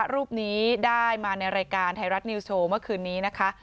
รูปนี้ได้มาในรายการไทยรัฐนิวโชว์เมื่อคืนนี้นะคะ